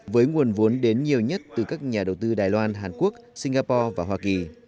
với nguồn vốn đến nhiều nhất từ các nhà đầu tư đài loan hàn quốc singapore và hoa kỳ